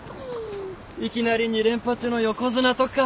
いきなり２連覇中の横綱とか。